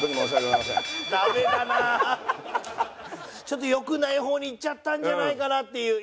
ちょっと良くない方にいっちゃったんじゃないかなっていう。